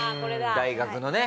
大学のね。